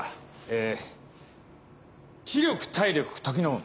え知力体力時の運。